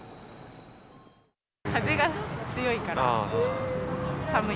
風が強いから寒い。